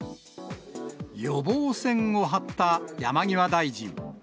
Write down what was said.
予防線を張った山際大臣。